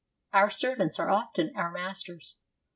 Our servants are often our masters.